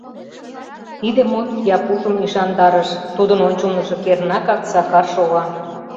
Тиде мут Япушым ӱшандарыш: тудын ончылныжо кернакак Сакар шога.